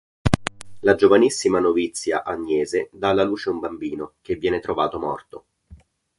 La giovanissima novizia Agnese dà alla luce un bambino, che viene trovato morto.